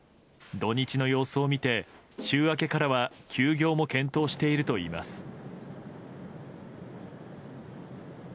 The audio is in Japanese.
土日の様子を見て週明けからは休業も検討しているといいます。